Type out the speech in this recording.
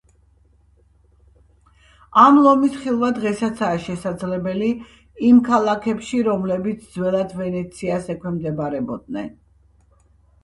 ამ ლომის ხილვა დღესაცაა შესაძლებელი იმ ქალაქებში, რომლებიც ძველად ვენეციას ექვემდებარებოდნენ.